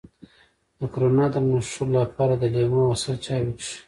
د کرونا د نښو لپاره د لیمو او عسل چای وڅښئ